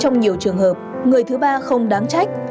trong nhiều trường hợp người thứ ba không đáng trách